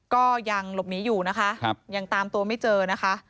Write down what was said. ก็ยังหลบหนีอยู่นะคะยังตามตัวไม่เจอนะคะ